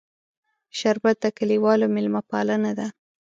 شربت د کلیوالو میلمهپالنه ده